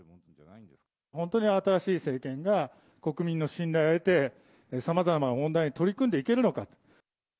本当に新しい政権が国民の信頼を得て、さまざまな問題に取り組んでいけるのか。